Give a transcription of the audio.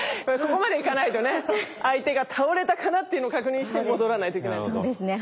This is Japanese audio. ここまでいかないとね相手が倒れたかなっていうのを確認して戻らないといけないんですね。